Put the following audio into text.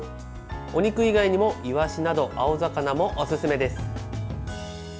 お肉以外にもいわしなど青魚もおすすめです。